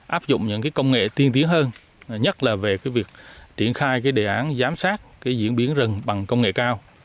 áp dụng những cái công nghệ tiên tiến hơn nhất là về cái việc triển khai cái đề án giám sát cái diễn biến rừng bằng công nghệ cao